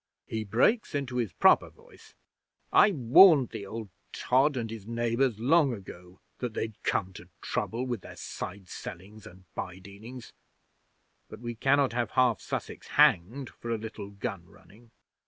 He breaks into his proper voice "I warned the old tod and his neighbours long ago that they'd come to trouble with their side sellings and bye dealings; but we cannot have half Sussex hanged for a little gun running.